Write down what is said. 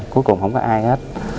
cuối cùng không có ai hết